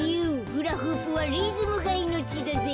フラフープはリズムがいのちだぜ。